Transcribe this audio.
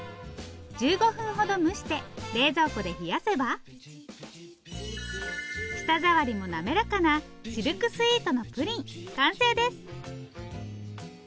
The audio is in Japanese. １５分ほど蒸して冷蔵庫で冷やせば舌触りもなめらかなシルクスイートのプリン完成です。